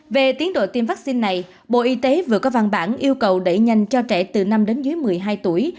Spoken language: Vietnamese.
về tiến độ tiêm vaccine này bộ y tế vừa có văn bản yêu cầu đẩy nhanh cho trẻ từ năm đến dưới một mươi hai tuổi